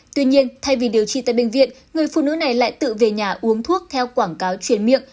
tuy nhiên thay vì điều trị tại bệnh viện người phụ nữ này lại tự về nhà uống thuốc theo quảng cáo chuyển miệng